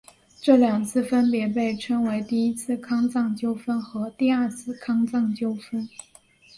这两次分别被称为第一次康藏纠纷和第二次康藏纠纷。